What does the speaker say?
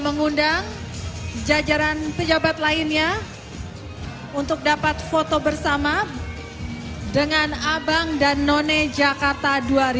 mengundang jajaran pejabat lainnya untuk dapat foto bersama dengan abang dan none jakarta dua ribu dua puluh